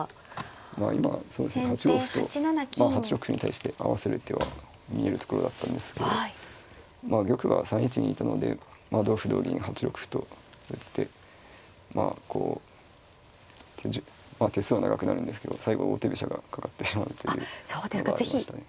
まあ今そうですね８五歩と８六歩に対して合わせる手は見えるところだったんですけどまあ玉が３一にいたので同歩同銀８六歩と打ってまあこう手数は長くなるんですけど最後王手飛車がかかってしまうというのがありましたね。